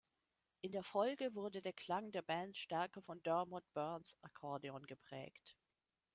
In der Folge wurde der Klang der Band stärker von Dermot Byrnes Akkordeon geprägt.